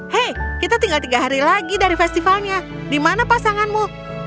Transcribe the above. hei kita tinggal tiga hari lagi dari festivalnya di mana pasanganmu